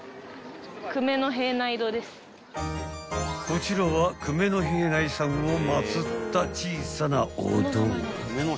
［こちらは久米平内さんを祭った小さなお堂］